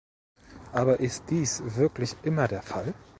Aber ist dies wirklich immer der Fall?